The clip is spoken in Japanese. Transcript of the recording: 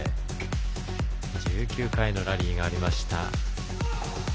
１９回のラリーがありました。